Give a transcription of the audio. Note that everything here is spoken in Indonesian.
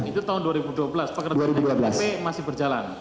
itu tahun dua ribu dua belas pak ketua iktp masih berjalan